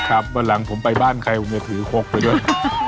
ครับวันหลังผมไปบ้านใครบ้างจะถือโคกด้วย